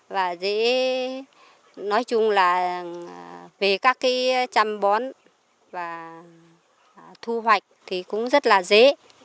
và dễ nói chung là về các cái chăm bón và thu hoạch thì cũng rất là dễ